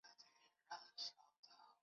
总部位于曼彻斯特的英国媒体城。